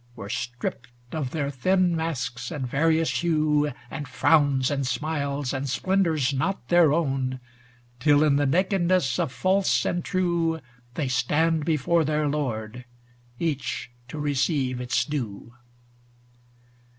Were stripped of their thin masks and various hue And frowns and smiles and splendors not their own, Till in the nakedness of false and true They stand before their Lord, each to re ceive its due.